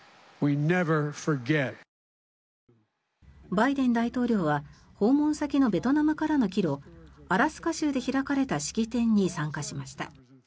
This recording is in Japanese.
バイデン大統領は訪問先のベトナムからの帰路アラスカ州で開かれた式典に参加しました。